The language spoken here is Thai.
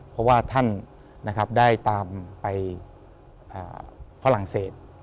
เพราะว่าท่านได้ตามไปฝรั่งเศส